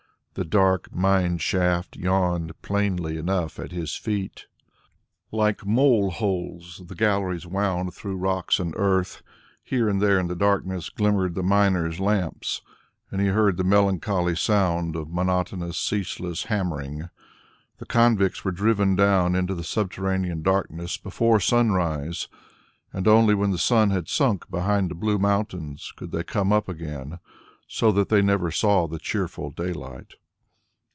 The dark mine shaft yawned plainly enough at his feet; like mole holes the galleries wound through rocks and earth; here and there in the darkness glimmered the miners' lamps, and he heard the melancholy sound of monotonous, ceaseless hammering. The convicts were driven down into the subterranean darkness before sunrise, and only when the sun had sunk behind the blue mountains could they come up again, so that they never saw the cheerful daylight.